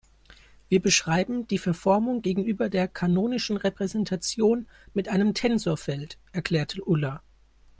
Wir beschreiben die Verformung gegenüber der kanonischen Repräsentation mit einem Tensorfeld, erklärte Ulla.